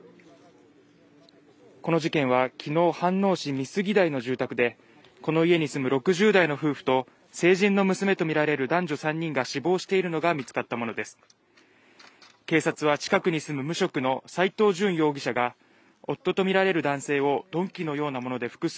この事件はきのう飯能市美杉台の住宅でこの家に住む６０代の夫婦と成人の娘とみられる男女３人が死亡しているのが見つかったものです